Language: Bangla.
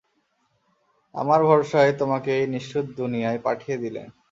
আমার ভরসায় তোমাকে এই নিষ্ঠুর দুনিয়ায় পাঠিয়ে দিলেন।